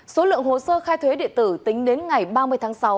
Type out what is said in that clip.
số lượng hồ sơ khai thuế điện tử tính đến ngày ba mươi tháng sáu